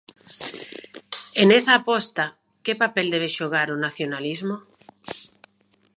E nesa aposta, que papel debe xogar o nacionalismo?